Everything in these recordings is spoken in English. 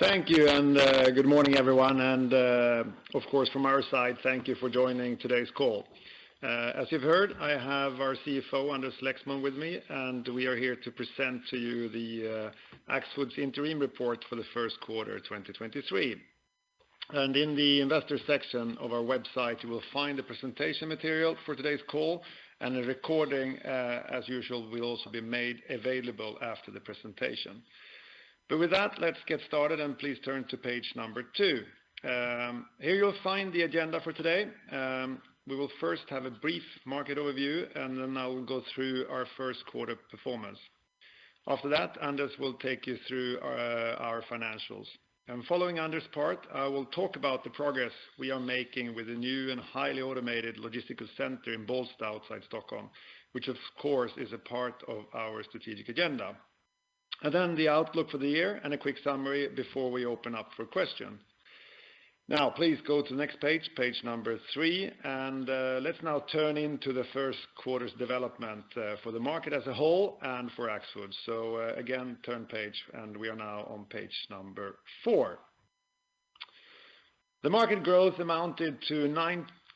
Thank you, good morning, everyone, of course, from our side, thank you for joining today's call. As you've heard, I have our CFO, Anders Lexmon, with me, and we are here to present to you the Axfood's Interim report for the first quarter, 2023. In the investor section of our website, you will find the presentation material for today's call, and a recording, as usual, will also be made available after the presentation. With that, let's get started, and please turn to page number two. Here, you'll find the agenda for today. We will first have a brief market overview, and then I will go through our first quarter performance. After that, Anders will take you through our financials, and following Anders' part, I will talk about the progress we are making with the new and highly automated logistical center in Bålsta outside Stockholm, which of course is a part of our strategic agenda, and then the outlook for the year and a quick summary before we open up for questions. Now please go to the next page number three, and let's now turn into the first quarter's development for the market as a whole and for Axfood. Again, turn page, and we are now on page number four. The market growth amounted to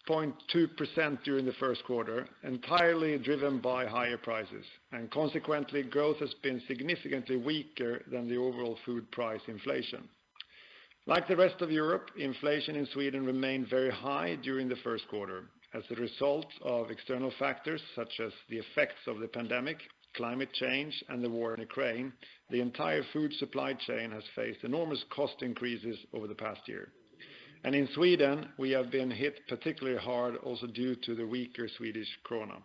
9.2% during the first quarter, entirely driven by higher prices, and consequently, growth has been significantly weaker than the overall food price inflation. Like the rest of Europe, inflation in Sweden remained very high during the first quarter. As a result of external factors such as the effects of the pandemic, climate change, and the war in Ukraine, the entire food supply chain has faced enormous cost increases over the past year. In Sweden, we have been hit particularly hard also due to the weaker Swedish krona.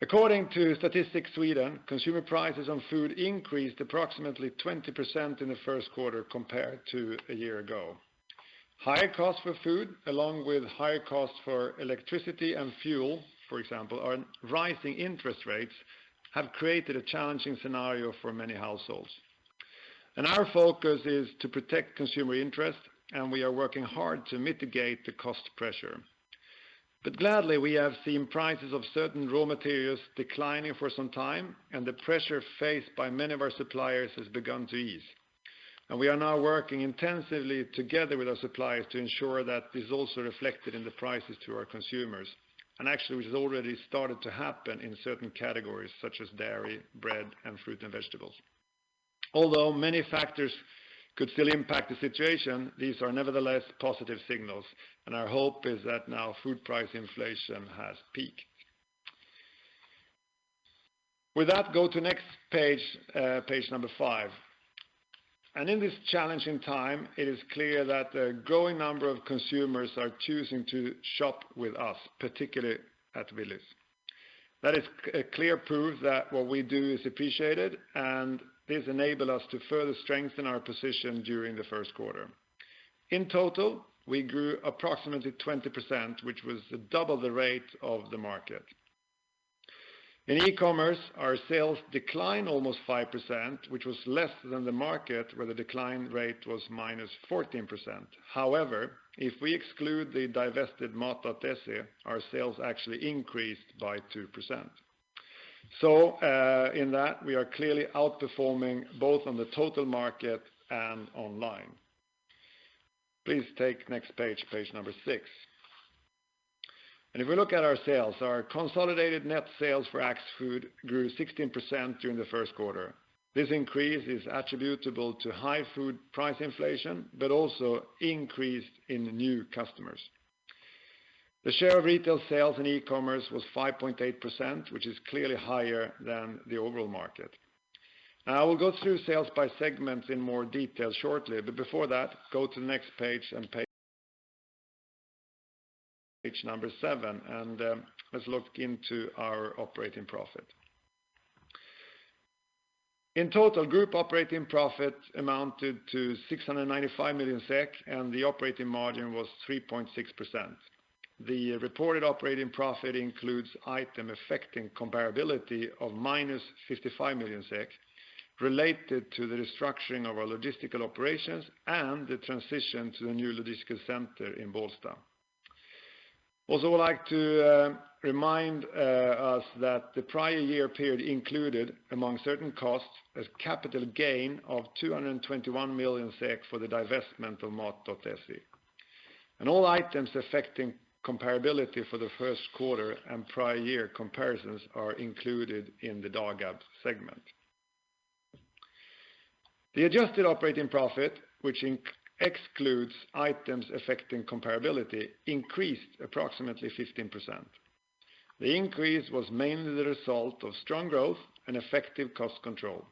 According to Statistics Sweden, consumer prices on food increased approximately 20% in the first quarter compared to a year ago. Higher costs for food along with higher costs for electricity and fuel, for example, and rising interest rates have created a challenging scenario for many households. Our focus is to protect consumer interest, and we are working hard to mitigate the cost pressure. Gladly, we have seen prices of certain raw materials declining for some time, and the pressure faced by many of our suppliers has begun to ease. We are now working intensively together with our suppliers to ensure that this is also reflected in the prices to our consumers, and actually, which has already started to happen in certain categories such as dairy, bread, and fruit and vegetables. Many factors could still impact the situation, these are nevertheless positive signals, and our hope is that now food price inflation has peaked. Go to next page five. In this challenging time, it is clear that a growing number of consumers are choosing to shop with us, particularly at Willys. That is a clear proof that what we do is appreciated. This enable us to further strengthen our position during the first quarter. In total, we grew approximately 20%, which was double the rate of the market. In e-commerce, our sales declined almost 5%, which was less than the market, where the decline rate was minus 14%. However, if we exclude the divested Mat.se, our sales actually increased by 2%. In that, we are clearly outperforming both on the total market and online. Please take next page number six. If we look at our sales, our consolidated net sales for Axfood grew 16% during the first quarter. This increase is attributable to high food price inflation but also increase in new customers. The share of retail sales in e-commerce was 5.8%, which is clearly higher than the overall market. We'll go through sales by segment in more detail shortly, but before that, go to the next page and page number seven, let's look into our operating profit. In total, group operating profit amounted to 695 million SEK, and the operating margin was 3.6%. The reported operating profit includes item affecting comparability of minus 55 million SEK related to the restructuring of our logistical operations and the transition to the new logistical center in Bålsta. Would like to remind us that the prior year period included, among certain costs, a capital gain of 221 million SEK for the divestment of Mat.se. All items affecting comparability for the first quarter and prior year comparisons are included in the Dagab segment. The adjusted operating profit, which excludes items affecting comparability, increased approximately 15%. The increase was mainly the result of strong growth and effective cost control.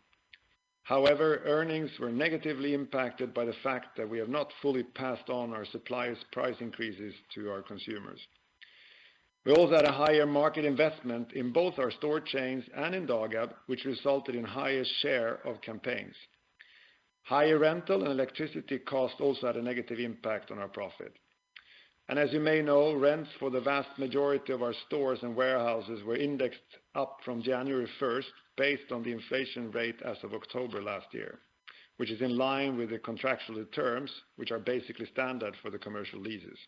Earnings were negatively impacted by the fact that we have not fully passed on our suppliers' price increases to our consumers. We also had a higher market investment in both our store chains and in Dagab, which resulted in higher share of campaigns. Higher rental and electricity costs also had a negative impact on our profit. As you may know, rents for the vast majority of our stores and warehouses were indexed up from January 1st based on the inflation rate as of October last year, which is in line with the contractual terms, which are basically standard for the commercial leases.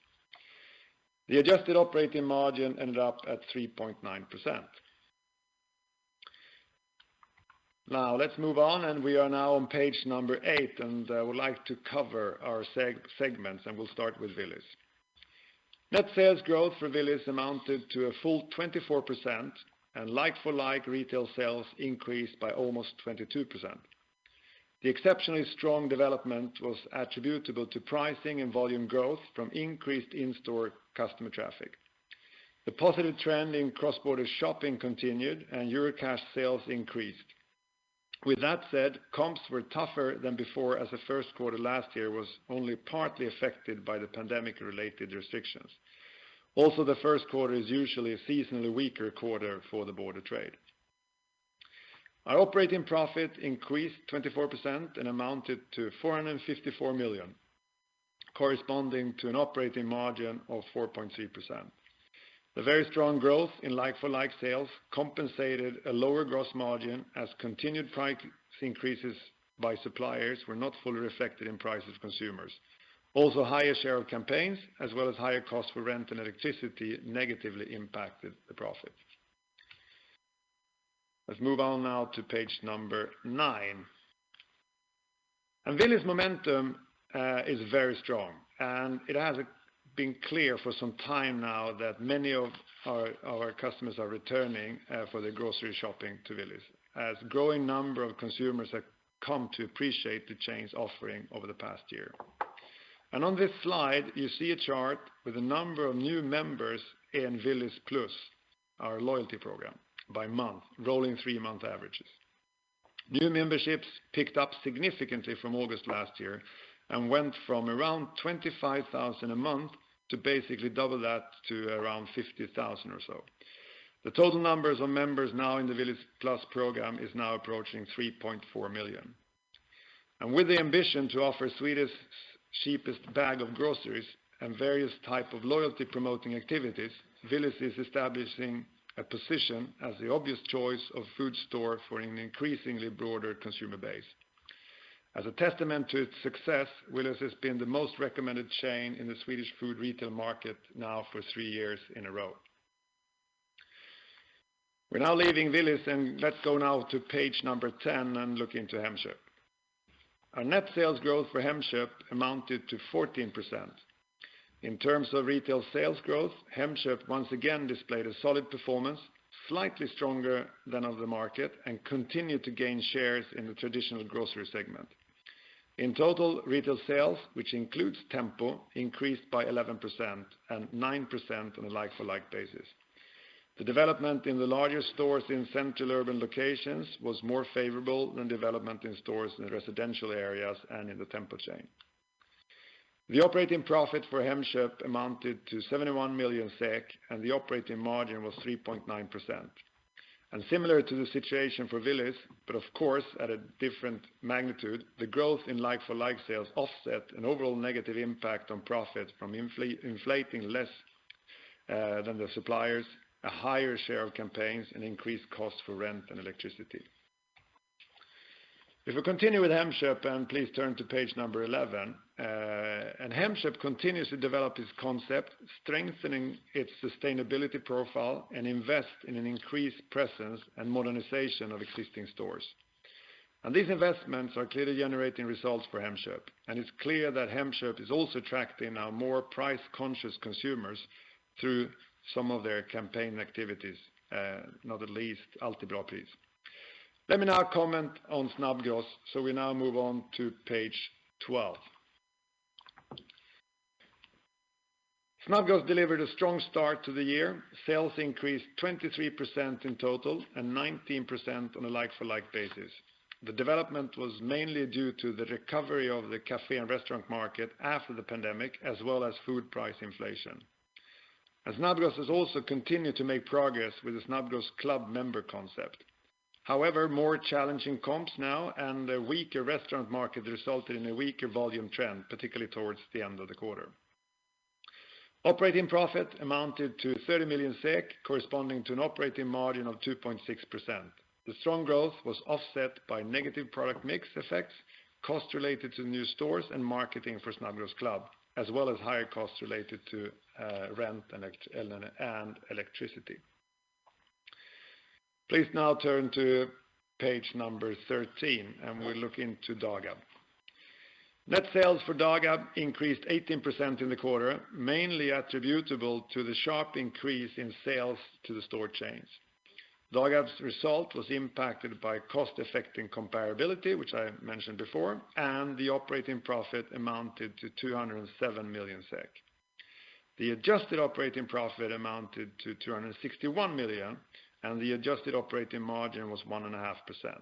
The adjusted operating margin ended up at 3.9%. Now let's move on, and we are now on page eight, and would like to cover our segments, and we'll start with Willys. Net sales growth for Willys amounted to a full 24% and like-for-like retail sales increased by almost 22%. The exceptionally strong development was attributable to pricing and volume growth from increased in-store customer traffic. The positive trend in cross-border shopping continued, and Eurocash sales increased. With that said, comps were tougher than before, as the first quarter last year was only partly affected by the pandemic-related restrictions. The first quarter is usually a seasonally weaker quarter for the border trade. Our operating profit increased 24% and amounted to 454 million, corresponding to an operating margin of 4.3%. The very strong growth in like-for-like sales compensated a lower gross margin as continued price increases by suppliers were not fully reflected in price of consumers. Higher share of campaigns as well as higher costs for rent and electricity negatively impacted the profit. Let's move on now to page number nine. Willys momentum is very strong, and it has been clear for some time now that many of our customers are returning for their grocery shopping to Willys as growing number of consumers have come to appreciate the chain's offering over the past year. On this slide, you see a chart with a number of new members in Willys Plus, our loyalty program, by month, rolling three-month averages. New memberships picked up significantly from August last year and went from around 25,000 a month to basically double that to around 50,000 or so. The total numbers of members now in the Willys Plus program is now approaching 3.4 million. With the ambition to offer Sweden's cheapest bag of groceries and various type of loyalty-promoting activities, Willys is establishing a position as the obvious choice of food store for an increasingly broader consumer base. As a testament to its success, Willys has been the most recommended chain in the Swedish food retail market now for three years in a row. We're now leaving Willys, and let's go now to page number 10 and look into Hemköp. Our net sales growth for Hemköp amounted to 14%. In terms of retail sales growth, Hemköp once again displayed a solid performance, slightly stronger than of the market, and continued to gain shares in the traditional grocery segment. In total, retail sales, which includes Tempo, increased by 11% and 9% on a like-for-like basis. The development in the larger stores in central urban locations was more favorable than development in stores in residential areas and in the Tempo chain. The operating profit for Hemköp amounted to 71 million SEK, the operating margin was 3.9%. Similar to the situation for Willys, but of course, at a different magnitude, the growth in like-for-like sales offset an overall negative impact on profit from inflating less than the suppliers, a higher share of campaigns and increased costs for rent and electricity. If we continue with Hemköp, please turn to page number 11. Hemköp continues to develop its concept, strengthening its sustainability profile, and invest in an increased presence and modernization of existing stores. These investments are clearly generating results for Hemköp, and it's clear that Hemköp is also attracting now more price-conscious consumers through some of their campaign activities, not at least Alltid bra pris. Let me now comment on Snabbgross, so we now move on to page 12. Snabbgross delivered a strong start to the year. Sales increased 23% in total and 19% on a like-for-like basis. The development was mainly due to the recovery of the café and restaurant market after the pandemic, as well as food price inflation. Snabbgross has also continued to make progress with the Snabbgross Club member concept. However, more challenging comps now and a weaker restaurant market resulted in a weaker volume trend, particularly towards the end of the quarter. Operating profit amounted to 30 million SEK, corresponding to an operating margin of 2.6%. The strong growth was offset by negative product mix effects, costs related to new stores and marketing for Snabbgross Club, as well as higher costs related to rent and electricity. Please now turn to page number 13, and we look into Dagab. Net sales for Dagab increased 18% in the quarter, mainly attributable to the sharp increase in sales to the store chains. Dagab's result was impacted by cost-affecting comparability, which I mentioned before, and the operating profit amounted to 207 million SEK. The adjusted operating profit amounted to 261 million, and the adjusted operating margin was 1.5%.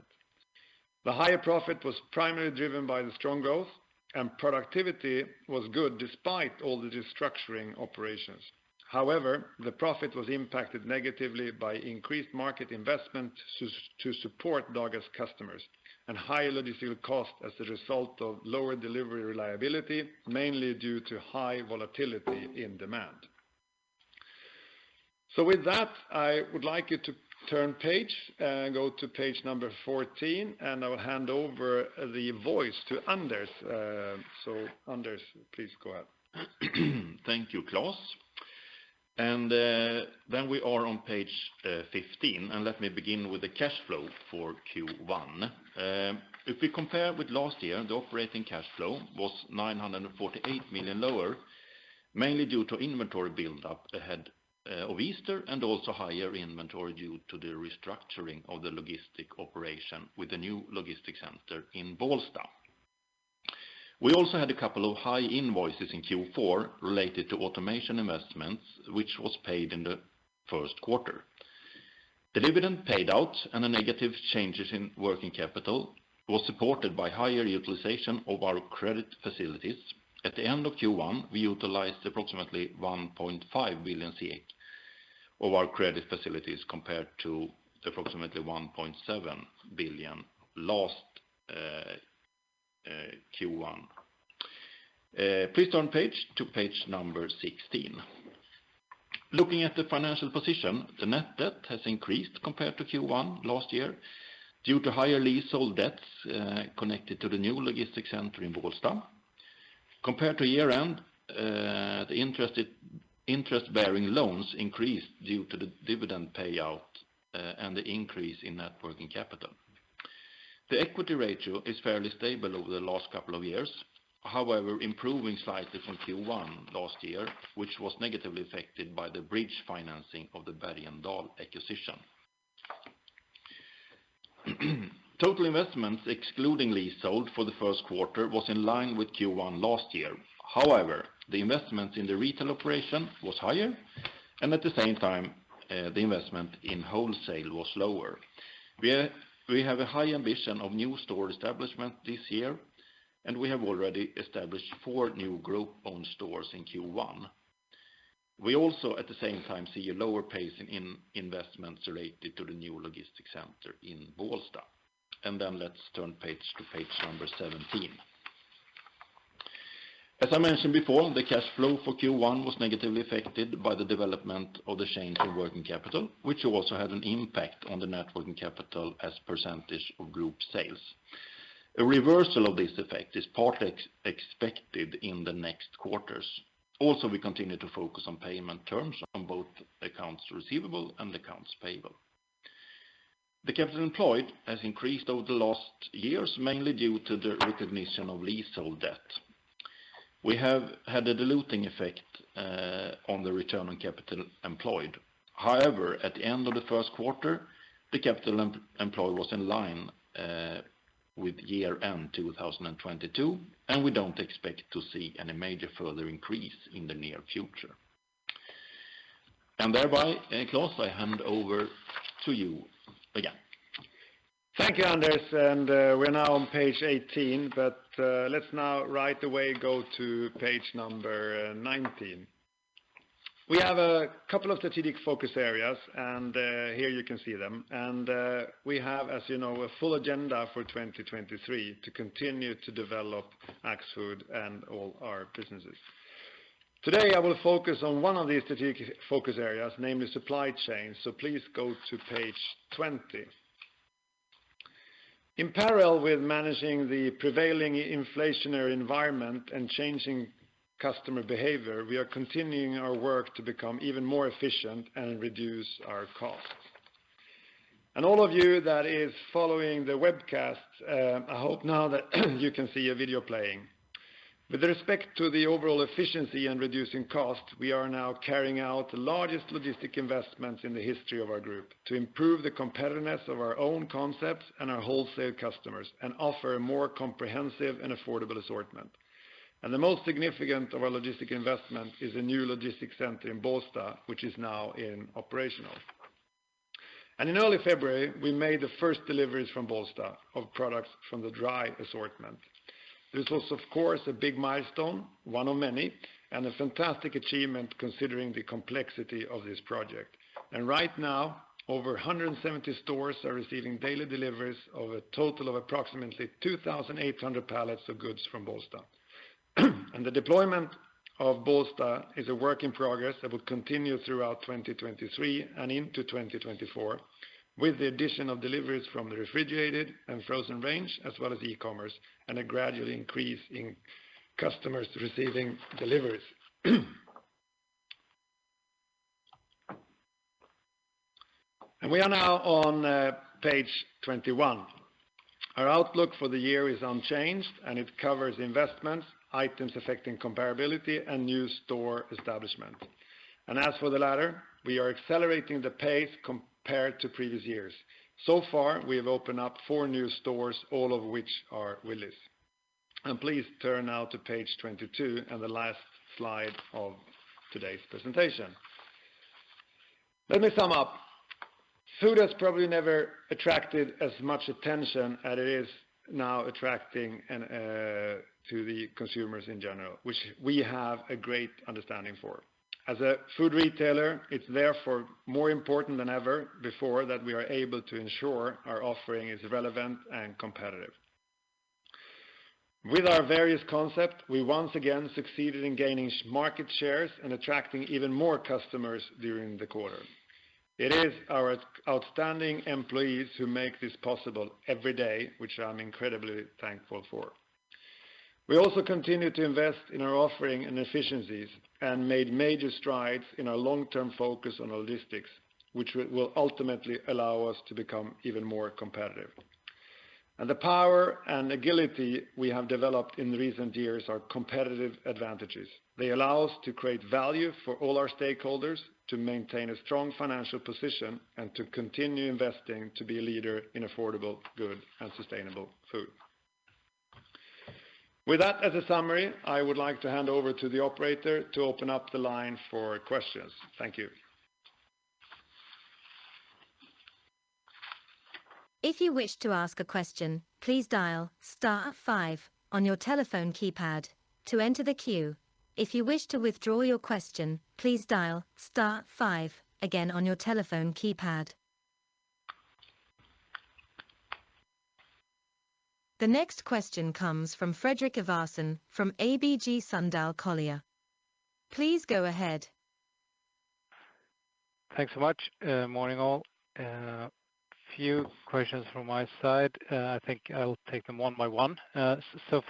The higher profit was primarily driven by the strong growth, and productivity was good despite all the restructuring operations. However, the profit was impacted negatively by increased market investment to support Dagab's customers and higher logistical costs as a result of lower delivery reliability, mainly due to high volatility in demand. With that, I would like you to turn page and go to page number 14, and I will hand over the voice to Anders. Anders, please go ahead. Thank you, Klas. We are on page 15, and let me begin with the cash flow for Q1. If we compare with last year, the operating cash flow was 948 million lower, mainly due to inventory build-up ahead of Easter and also higher inventory due to the restructuring of the logistic operation with the new logistic center in Bålsta. We also had a couple of high invoices in Q4 related to automation investments, which was paid in the first quarter. The dividend paid out and the negative changes in working capital was supported by higher utilization of our credit facilities. At the end of Q1, we utilized approximately 1.5 billion of our credit facilities compared to approximately 1.7 billion last Q1. Please turn page to page number 16. Looking at the financial position, the net debt has increased compared to Q1 last year due to higher leasehold debts connected to the new logistics center in Bålsta. Compared to year-end, the interest-bearing loans increased due to the dividend payout and the increase in net working capital. The equity ratio is fairly stable over the last couple of years, however, improving slightly from Q1 last year, which was negatively affected by the bridge financing of the Bergendahl acquisition. Total investments excluding leasehold for the first quarter was in line with Q1 last year. The investment in the retail operation was higher and at the same time, the investment in wholesale was lower. We have a high ambition of new store establishment this year, and we have already established four new group-owned stores in Q1. We also, at the same time, see a lower pace in investments related to the new logistic center in Bålsta. Let's turn page to page number 17. As I mentioned before, the cash flow for Q1 was negatively affected by the development of the change in working capital, which also had an impact on the net working capital as percentage of group sales. A reversal of this effect is partly expected in the next quarters. We continue to focus on payment terms on both accounts receivable and accounts payable. The capital employed has increased over the last years, mainly due to the recognition of leasehold debt. We have had a diluting effect on the return on capital employed. However, at the end of the first quarter, the capital employed was in line with year-end 2022, and we don't expect to see any major further increase in the near future. Thereby, Klas, I hand over to you again. Thank you, Anders. We're now on page 18. Let's now right away go to page number 19. We have a couple of strategic focus areas. Here you can see them. We have, as you know, a full agenda for 2023 to continue to develop Axfood and all our businesses. Today, I will focus on one of the strategic focus areas, namely supply chain. Please go to page 20. In parallel with managing the prevailing inflationary environment and changing customer behavior, we are continuing our work to become even more efficient and reduce our costs. All of you that is following the webcast, I hope now that you can see a video playing. With respect to the overall efficiency and reducing cost, we are now carrying out the largest logistic investments in the history of our group to improve the competitiveness of our own concepts and our wholesale customers and offer a more comprehensive and affordable assortment. The most significant of our logistic investment is a new logistic center in Bålsta, which is now operational. In early February, we made the first deliveries from Bålsta of products from the dry assortment. This was, of course, a big milestone, one of many, and a fantastic achievement considering the complexity of this project. Right now, over 170 stores are receiving daily deliveries of a total of approximately 2,800 pallets of goods from Bålsta. The deployment of Bålsta is a work in progress that will continue throughout 2023 and into 2024 with the addition of deliveries from the refrigerated and frozen range, as well as e-commerce, and a gradual increase in customers receiving deliveries. We are now on page 21. Our outlook for the year is unchanged, and it covers investments, items affecting comparability, and new store establishment. As for the latter, we are accelerating the pace compared to previous years. So far, we have opened up four new stores, all of which are Willys. Please turn now to page 22 and the last slide of today's presentation. Let me sum up. Food has probably never attracted as much attention as it is now attracting and to the consumers in general, which we have a great understanding for. As a food retailer, it's therefore more important than ever before that we are able to ensure our offering is relevant and competitive. With our various concept, we once again succeeded in gaining market shares and attracting even more customers during the quarter. It is our outstanding employees who make this possible every day, which I'm incredibly thankful for. We also continue to invest in our offering and efficiencies and made major strides in our long-term focus on logistics, which will ultimately allow us to become even more competitive. The power and agility we have developed in recent years are competitive advantages. They allow us to create value for all our stakeholders, to maintain a strong financial position, and to continue investing to be a leader in affordable, good, and sustainable food. With that as a summary, I would like to hand over to the operator to open up the line for questions. Thank you. If you wish to ask a question, please dial star five on your telephone keypad to enter the queue. If you wish to withdraw your question, please dial star five again on your telephone keypad. The next question comes from Fredrik Ivarsson from ABG Sundal Collier. Please go ahead. Thanks so much. Morning, all. Few questions from my side. I think I'll take them one by one.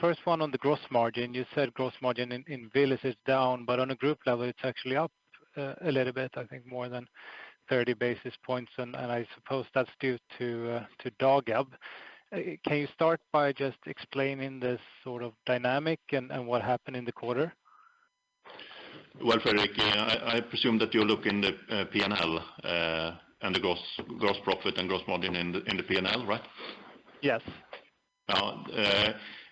First one on the gross margin. You said gross margin in Willys is down, but on a group level, it's actually up a little bit, I think more than 30 basis points, and I suppose that's due to Dagab. Can you start by just explaining the sort of dynamic and what happened in the quarter? Well, Fredrik, I presume that you're looking at the P&L, and the gross profit and gross margin in the P&L, right? Yes. Now,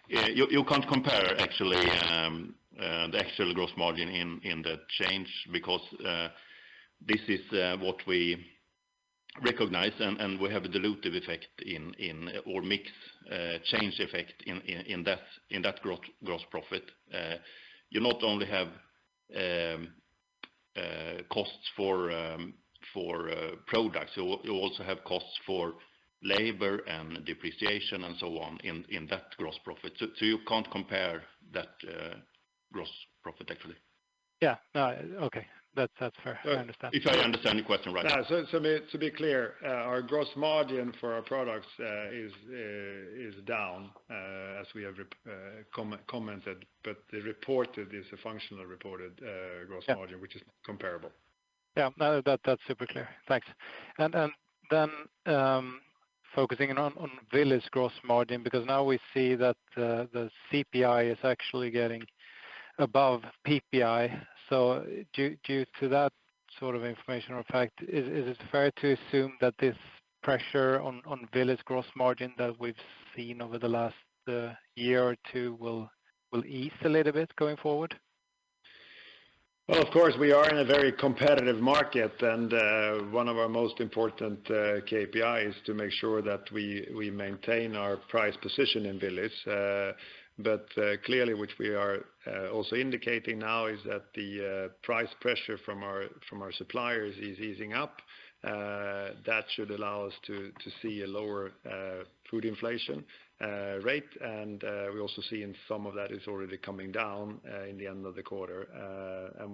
you can't compare actually, the actual gross margin in that change because this is what we recognize and we have a dilutive effect in or mix change effect in that gross profit. You not only have costs for products, you also have costs for labor and depreciation and so on in that gross profit. You can't compare that gross profit actually. Yeah. No, okay. That's, that's fair. I understand. If I understand your question right. Yeah. To be clear, our gross margin for our products, is down, as we have commented, but the reported is a functional reported. Yeah... gross margin, which is comparable. Yeah. No, that's super clear. Thanks. Then, focusing on Willys gross margin because now we see that the CPI is actually getting above PPI. Due to that sort of informational fact, is it fair to assume that this pressure on Willys gross margin that we've seen over the last year or two will ease a little bit going forward? Well, of course we are in a very competitive market. One of our most important KPI is to make sure that we maintain our price position in Willys. Clearly, which we are also indicating now is that the price pressure from our suppliers is easing up. That should allow us to see a lower food inflation rate. We also see in some of that is already coming down in the end of the quarter.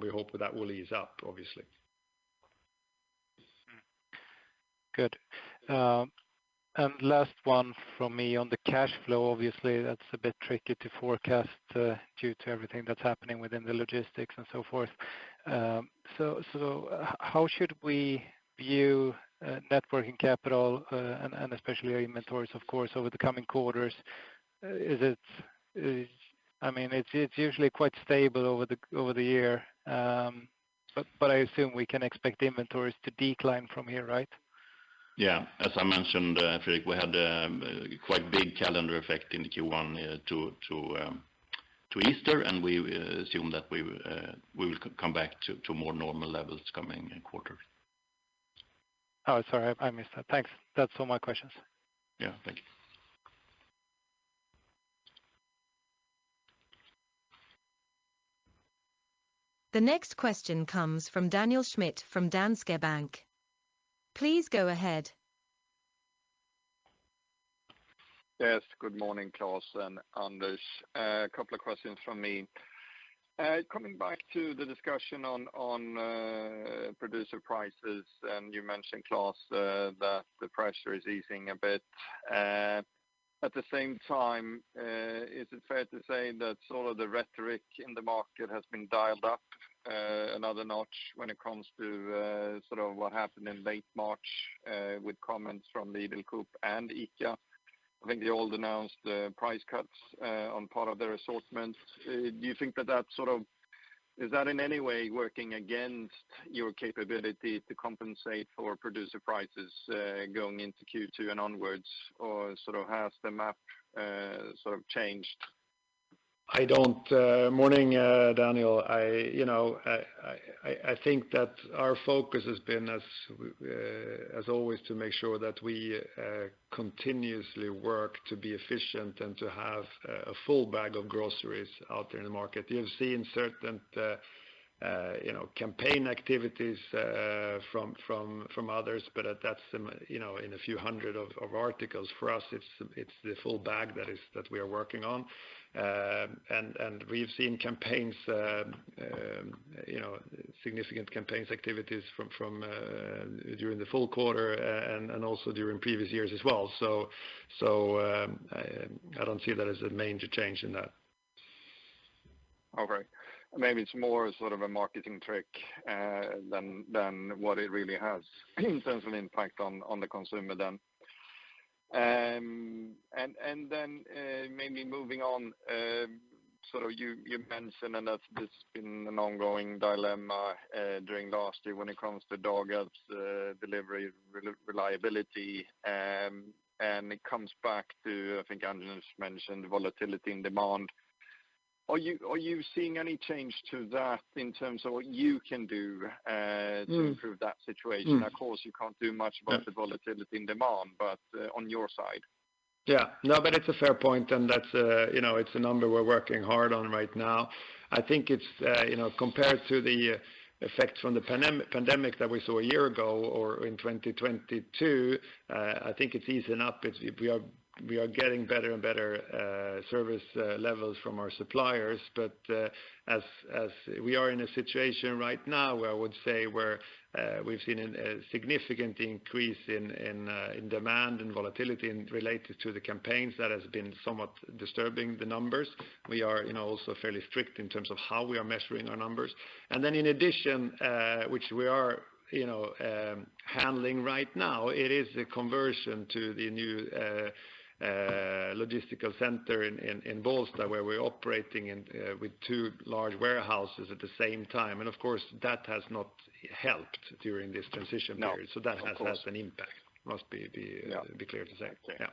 We hope that will ease up obviously. Good. Last one from me on the cash flow, obviously that's a bit tricky to forecast, due to everything that's happening within the logistics and so forth. How should we view net working capital, and especially inventories of course over the coming quarters? I mean, it's usually quite stable over the year. I assume we can expect inventories to decline from here, right? As I mentioned, Fredrik, we had a quite big calendar effect in Q1 to Easter, and we assume that we will come back to more normal levels coming in quarter. Oh, sorry, I missed that. Thanks. That's all my questions. Yeah. Thank you. The next question comes from Daniel Schmidt from Danske Bank. Please go ahead. Yes. Good morning, Klas and Anders. A couple of questions from me. Coming back to the discussion on producer prices, and you mentioned, Klas, that the pressure is easing a bit. At the same time, is it fair to say that sort of the rhetoric in the market has been dialed up another notch when it comes to sort of what happened in late March with comments from the Lidl, Coop and IKEA? I think they all announced the price cuts on part of their assortments. Do you think that that sort of... Is that in any way working against your capability to compensate for producer prices going into Q2 and onwards? Sort of has the map sort of changed? I don't. Morning, Daniel. I, you know, I think that our focus has been as always to make sure that we continuously work to be efficient and to have a full bag of groceries out there in the market. You'll see in certain, you know, campaign activities from others, but that's, you know, in a few hundred articles. For us, it's the full bag that we are working on. We've seen campaigns, you know, significant campaigns activities from during the full quarter and also during previous years as well. I don't see that as a major change in that. Okay. Maybe it's more sort of a marketing trick than what it really has in terms of impact on the consumer then. Maybe moving on, so you mentioned and that this been an ongoing dilemma during last year when it comes to Dagab's delivery re-reliability. It comes back to, I think Anders mentioned volatility in demand. Are you seeing any change to that in terms of what you can do? Mm... to improve that situation? Of course, you can't do much about the volatility in demand, but, on your side. Yeah. No, but it's a fair point, and that's, you know, it's a number we're working hard on right now. I think it's, you know, compared to the effects from the pandemic that we saw a year ago or in 2022, I think it's easing up. It's, we are getting better and better service levels from our suppliers. As we are in a situation right now where I would say where, we've seen a significant increase in demand and volatility in related to the campaigns, that has been somewhat disturbing the numbers. We are, you know, also fairly strict in terms of how we are measuring our numbers. In addition, which we are, you know, handling right now, it is a conversion to the new logistical center in Bålsta, where we're operating with two large warehouses at the same time. Of course, that has not helped during this transition period. No, of course. That has had an impact, must be. Yeah be clear to say. Yeah.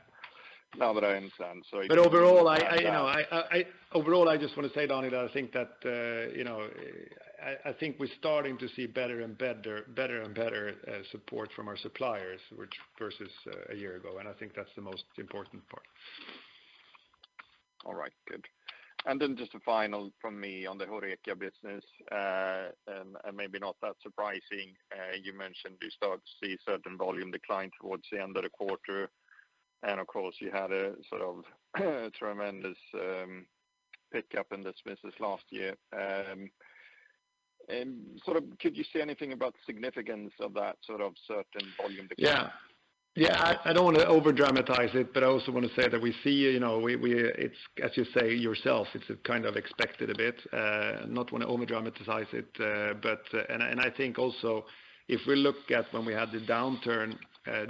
No, but I understand. Overall, I, you know, I, overall, I just want to say, Daniel, that I think that, you know, I, think we're starting to see better and better support from our suppliers, which versus a year ago, and I think that's the most important part. All right. Good. Just a final from me on the HoReCa business. Maybe not that surprising, you mentioned you start to see certain volume decline towards the end of the quarter, and of course, you had a sort of tremendous pick up in this business last year. Could you say anything about the significance of that sort of certain volume decline? Yeah. Yeah, I don't wanna overdramatize it, but I also wanna say that we see, you know, we, it's as you say yourself, it's kind of expected a bit, not wanna overdramatize it. I think also if we look at when we had the downturn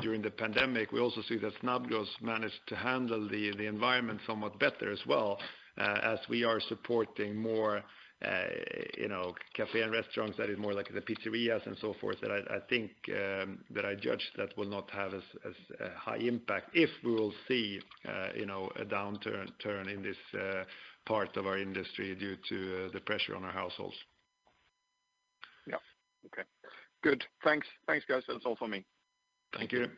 during the pandemic, we also see that Snabbgross managed to handle the environment somewhat better as well, as we are supporting more, you know, cafe and restaurants that is more like the pizzerias and so forth, that I think that I judge that will not have as high impact if we will see, you know, a downturn turn in this part of our industry due to the pressure on our households. Yeah. Okay. Good. Thanks. Thanks, guys. That's all for me. Thank you.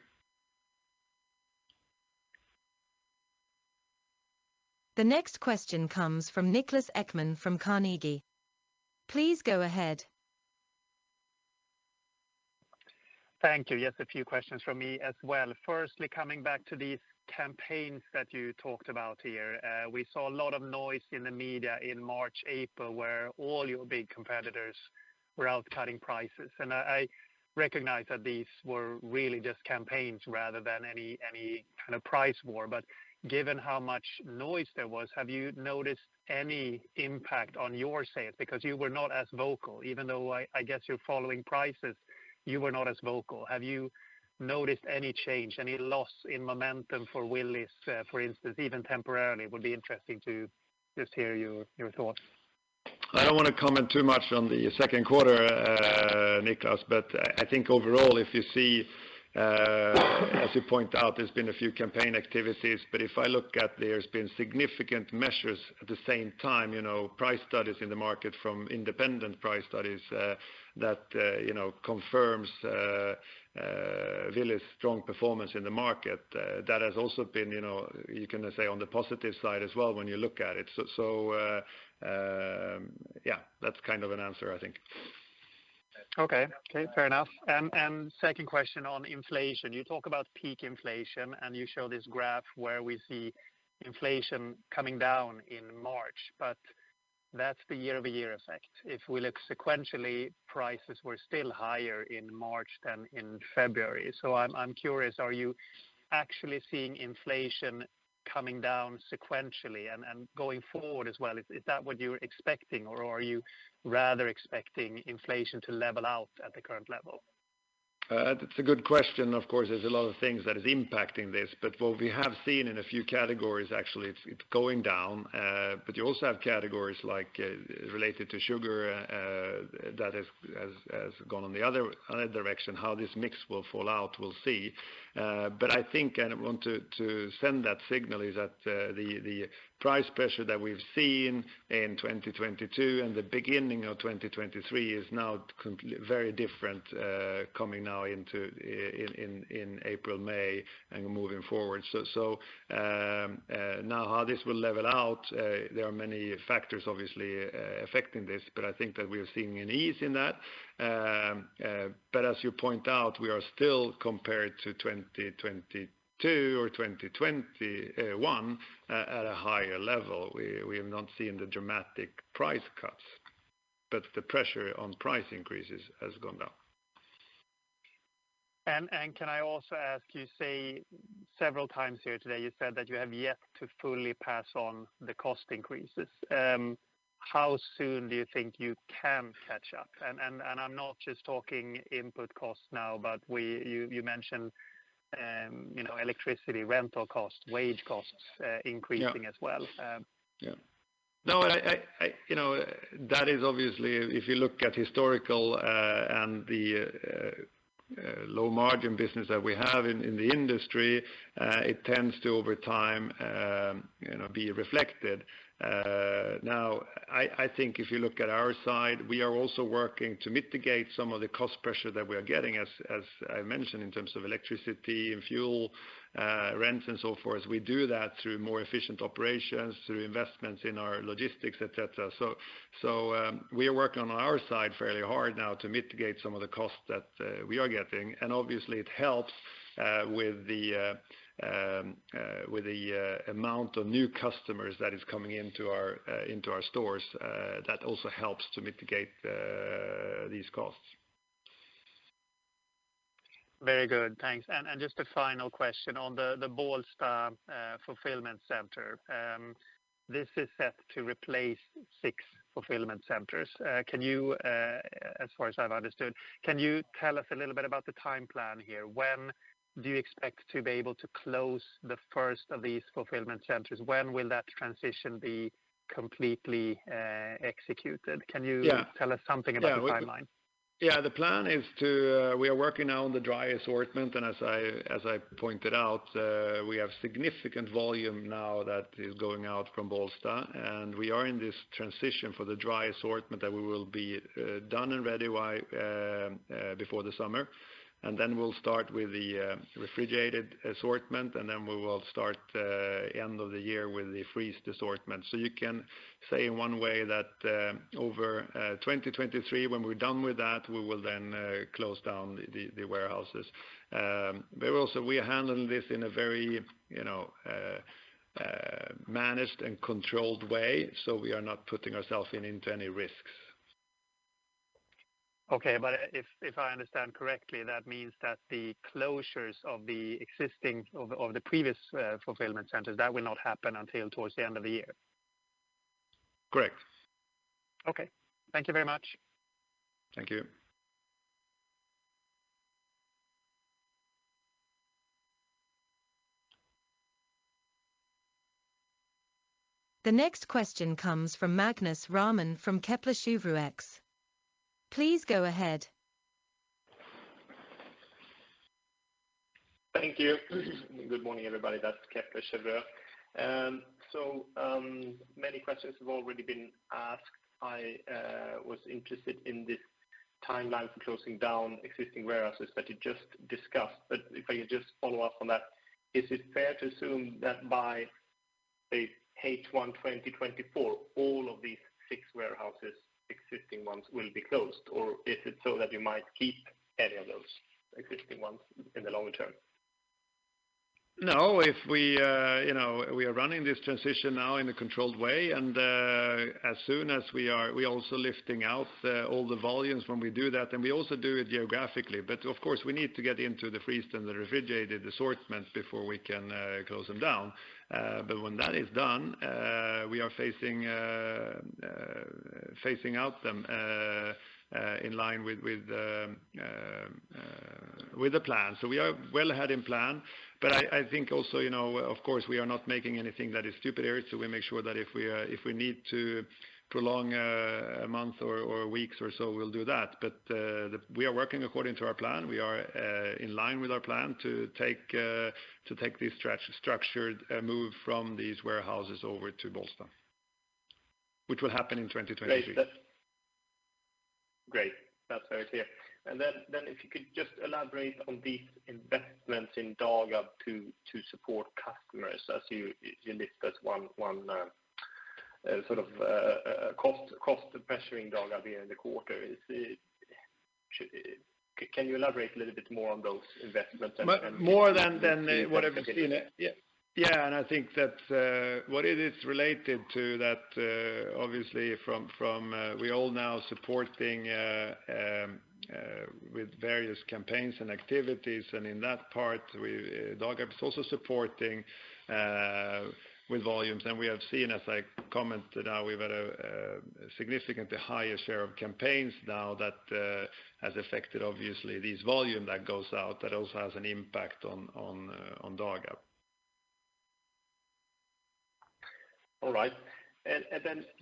The next question comes from Niklas Ekman from Carnegie. Please go ahead. Thank you. Yes, a few questions from me as well. Firstly, coming back to these campaigns that you talked about here. We saw a lot of noise in the media in March, April, where all your big competitors were out cutting prices. I recognize that these were really just campaigns rather than any kind of price war. Given how much noise there was, have you noticed any impact on your sales? Because you were not as vocal. Even though I guess you're following prices, you were not as vocal. Have you noticed any change, any loss in momentum for Willys, for instance, even temporarily? Would be interesting to just hear your thoughts. I don't wanna comment too much on the second quarter, Niklas, but I think overall, if you see, as you point out, there's been a few campaign activities. If I look at there's been significant measures at the same time, you know, price studies in the market from independent price studies that, you know, confirms Willys' strong performance in the market, that has also been, you know, you can say, on the positive side as well when you look at it. So, yeah, that's kind of an answer, I think. Okay. Okay, fair enough. Second question on inflation. You talk about peak inflation, and you show this graph where we see inflation coming down in March, but that's the year-over-year effect. If we look sequentially, prices were still higher in March than in February. I'm curious, are you actually seeing inflation coming down sequentially and going forward as well? Is that what you're expecting? Are you rather expecting inflation to level out at the current level? That's a good question. Of course, there's a lot of things that is impacting this, but what we have seen in a few categories, actually, it's going down. You also have categories like related to sugar that has gone on the other direction. How this mix will fall out, we'll see. I think and want to send that signal is that the price pressure that we've seen in 2022 and the beginning of 2023 is now very different coming now into April, May and moving forward. Now how this will level out, there are many factors obviously affecting this, but I think that we are seeing an ease in that. As you point out, we are still compared to 2022 or 2021 at a higher level. We have not seen the dramatic price cuts, but the pressure on price increases has gone down. Can I also ask you, say, several times here today, you said that you have yet to fully pass on the cost increases. How soon do you think you can catch up? I'm not just talking input costs now, but you mentioned, you know, electricity, rental costs, wage costs, increasing as well. Yeah. No, you know, that is obviously, if you look at historical, and the low margin business that we have in the industry, it tends to, over time, you know, be reflected. Now I think if you look at our side, we are also working to mitigate some of the cost pressure that we are getting, as I mentioned, in terms of electricity and fuel, rents and so forth. We do that through more efficient operations, through investments in our logistics, et cetera. So, we are working on our side fairly hard now to mitigate some of the costs that we are getting. Obviously it helps with the amount of new customers that is coming into our stores. That also helps to mitigate these costs. Very good. Thanks. Just a final question on the Bålsta fulfillment center. This is set to replace six fulfillment centers. Can you, as far as I've understood, tell us a little bit about the time plan here? When do you expect to be able to close the first of these fulfillment centers? When will that transition be completely executed? Yeah... tell us something about the timeline? Yeah. The plan is to, we are working now on the dry assortment. As I, as I pointed out, we have significant volume now that is going out from Bålsta, and we are in this transition for the dry assortment that we will be done and ready by before the summer. Then we'll start with the refrigerated assortment, and then we will start end of the year with the freezed assortment. You can say in one way that, over 2023, when we're done with that, we will then close down the warehouses. But also we are handling this in a very, you know, managed and controlled way, so we are not putting ourselves in, into any risks. Okay. If I understand correctly, that means that the closures of the previous fulfillment centers, that will not happen until towards the end of the year? Correct. Okay. Thank you very much. Thank you. The next question comes from Magnus Raman from Kepler Cheuvreux. Please go ahead. Thank you. Good morning, everybody. That's Kepler Cheuvreux. Many questions have already been asked. I was interested in this timeline for closing down existing warehouses that you just discussed. If I could just follow up on that, is it fair to assume that by, say, H1 2024, all of these six warehouses, existing ones, will be closed? Is it so that you might keep any of those existing ones in the long term? If we, you know, we are running this transition now in a controlled way. As soon as we are, we're also lifting out all the volumes when we do that, and we also do it geographically. Of course, we need to get into the freezed and the refrigerated assortments before we can close them down. When that is done, we are facing out them, in line with the plan. We are well ahead in plan. I think also, you know, of course, we are not making anything that is stupid here. We make sure that if we, if we need to prolong a month or weeks or so, we'll do that. We are working according to our plan. We are in line with our plan to take structured move from these warehouses over to Bålsta, which will happen in 2023. Great. That's how it's here. Then if you could just elaborate on these investments in Dagab to support customers, as you list as one sort of cost pressuring Dagab here in the quarter. Can you elaborate a little bit more on those investments? More than what I've seen it? Yeah. Yeah. I think that what it is related to that, obviously from, we all now supporting with various campaigns and activities. In that part, we Dagab is also supporting with volumes. We have seen, as I commented, we've had a significantly higher share of campaigns now that has affected obviously this volume that goes out that also has an impact on Dagab. All right.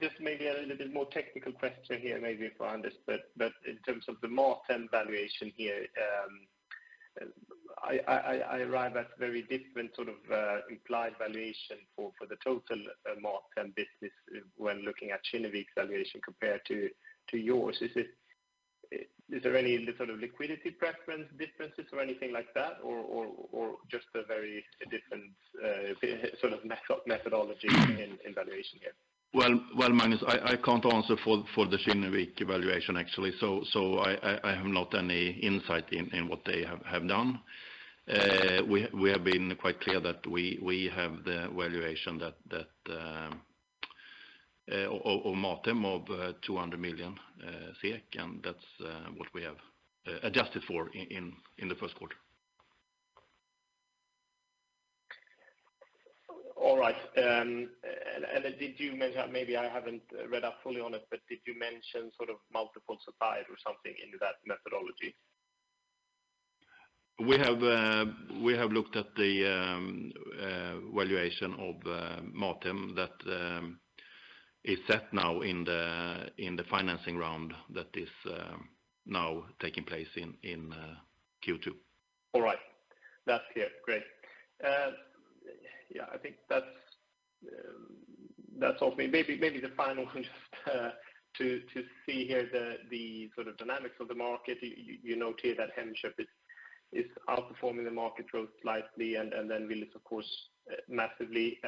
Just maybe a little bit more technical question here, maybe if I understood. In terms of the Mathem valuation here, I arrive at very different sort of implied valuation for the total Mathem business when looking at Kinnevik's valuation compared to yours. Is there any sort of liquidity preference differences or anything like that? Or just a very different sort of methodology in valuation here? Well, Magnus, I can't answer for the Kinnevik valuation actually. I have not any insight in what they have done. We have been quite clear that we have the valuation that of Mathem of SEK 200 million, and that's what we have adjusted for in the first quarter. All right. Did you mention... Maybe I haven't read up fully on it, but did you mention sort of multiple suppliers or something into that methodology? We have looked at the valuation of Mathem that is set now in the financing round that is now taking place in Q2. All right. That's clear. Great. Yeah, I think that's all for me. Maybe the final one just to see here the sort of dynamics of the market. You noted that Hemköp is outperforming the market growth slightly and then Willys of course, massively.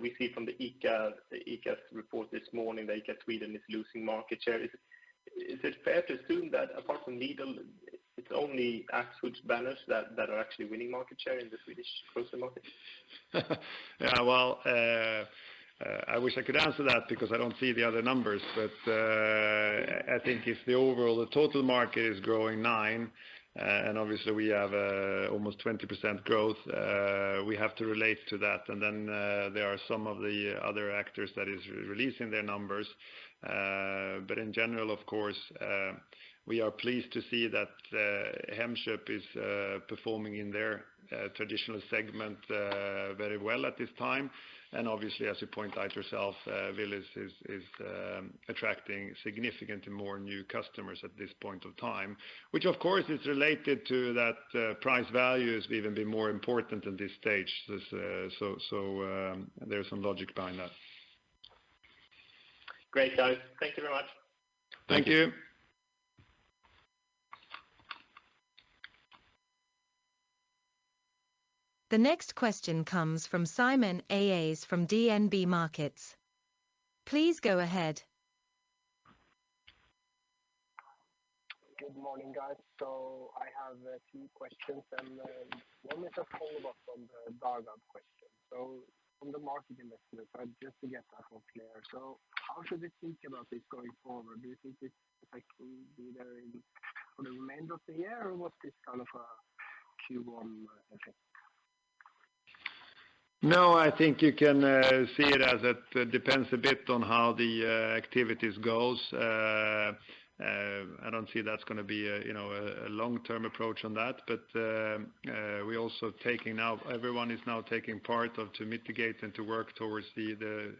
We see from the ICA's report this morning that ICA Sweden is losing market share. Is it fair to assume that apart from Lidl, it's only Axfood banners that are actually winning market share in the Swedish grocery market? Yeah, well, I wish I could answer that because I don't see the other numbers. I think if the total market is growing 9%, and obviously we have almost 20% growth, we have to relate to that. Then, there are some of the other actors that is releasing their numbers. In general, of course, we are pleased to see that Hemköp is performing in their traditional segment very well at this time. Obviously, as you point out yourself, Willys is attracting significantly more new customers at this point of time. Which of course is related to that, price value is even been more important in this stage. There's some logic behind that. Great, guys. Thank you very much. Thank you. The next question comes from Simen Mortensen from DNB Markets. Please go ahead. Good morning, guys. I have a few questions and one is a follow-up on the Dagab question. From the market investment side, just to get that more clear. How should we think about this going forward? Do you think this effect will be there in for the remainder of the year, or was this kind of a Q1 effect? No, I think you can, uh, see it as it depends a bit on how the, uh, activities goes. Uh, uh, I don't see that's gonna be a, you know, a long-term approach on that. But, um, uh, we're also taking now-- everyone is now taking part of to mitigate and to work towards the, the,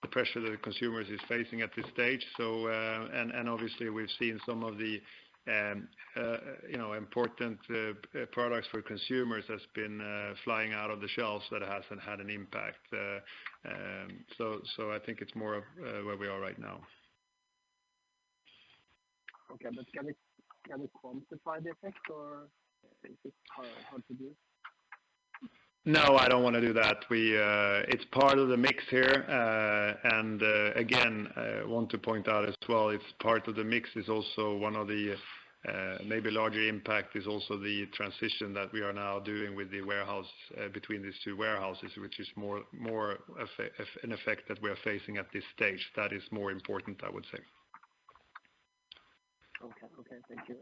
the pressure that the consumers is facing at this stage. So, uh, and, and obviously we've seen some of the, um, uh, you know, important, uh, products for consumers has been, uh, flying out of the shelves that hasn't had an impact. Uh, um, so, so I think it's more of, uh, where we are right now. Okay, can we quantify the effect or is it hard to do? No, I don't wanna do that. We, it's part of the mix here. Again, I want to point out as well, it's part of the mix is also one of the maybe larger impact is also the transition that we are now doing with the warehouse between these two warehouses, which is more an effect that we are facing at this stage. That is more important, I would say. Okay. Okay, thank you.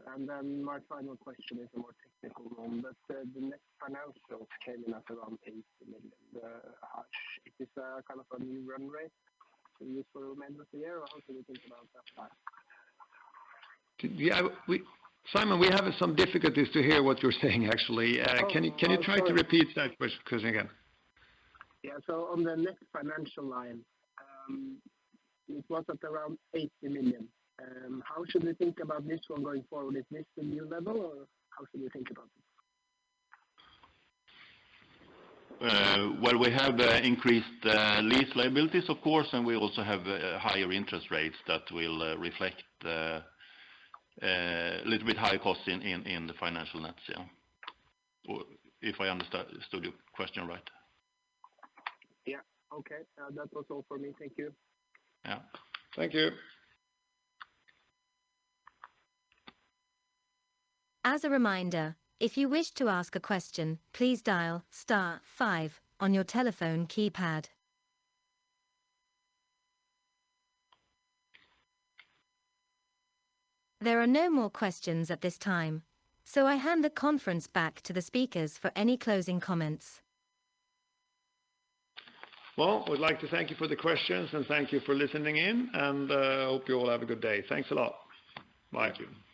My final question is a more technical one, but the net financial came in at around 80 million. Is this kind of a new run rate for you for the remainder of the year, or how should we think about that one? Simen, we're having some difficulties to hear what you're saying actually. Oh, okay. Sorry. Can you try to repeat that question again? Yeah. On the net financial line, it was at around 80 million. How should we think about this one going forward? Is this the new level or how should we think about it? Well, we have increased lease liabilities of course, and we also have higher interest rates that will reflect little bit higher costs in the financial nets, yeah. If I understood your question right. Yeah. Okay. That was all for me. Thank you. Yeah. Thank you. As a reminder, if you wish to ask a question, please dial star five on your telephone keypad. There are no more questions at this time. I hand the conference back to the speakers for any closing comments. We'd like to thank you for the questions and thank you for listening in, and hope you all have a good day. Thanks a lot. Bye. Thank you